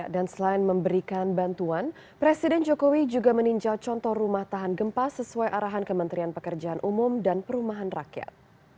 dan selain memberikan bantuan presiden jokowi juga meninjau contoh rumah tahan gempa sesuai arahan kementerian pekerjaan umum dan perumahan rakyat